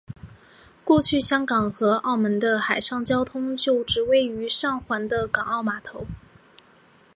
过去香港和澳门的海上交通就只靠位于上环的港澳码头。